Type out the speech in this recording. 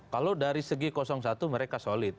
kalau dari segi satu mereka solid